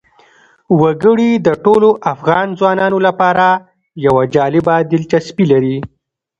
وګړي د ټولو افغان ځوانانو لپاره یوه جالبه دلچسپي لري.